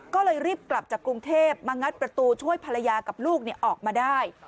ก็เลยรีบกลับจากกรุงเทพมางัดประตูช่วยภรรยากับลูกออกมาได้